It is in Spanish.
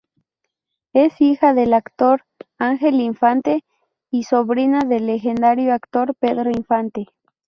Es hija del actor Ángel Infante y sobrina del legendario actor Pedro Infante.